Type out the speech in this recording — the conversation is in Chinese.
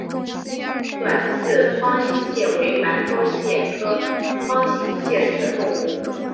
短刺筐形蟹为馒头蟹科筐形蟹属的动物。